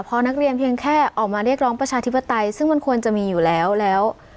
เพราะนักเรียนเพียงแค่ออกมาเรียกร้องประชาธิปไตยซึ่งมันควรจะมีอยู่แล้วแล้ว